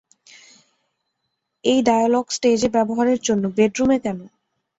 এই ডায়োলোগ স্টেজে ব্যাবহারে জন্য, বেডরুমে কেনো!